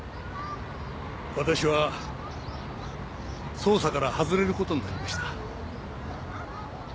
私は捜査から外れる事になりました。